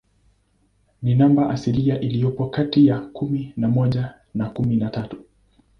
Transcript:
Ni namba asilia iliyopo kati ya kumi na moja na kumi na tatu.